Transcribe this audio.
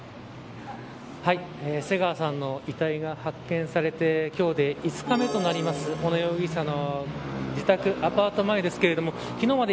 瀬川さんの遺体が発見されて今日で５日目となります小野容疑者の自宅アパート前です。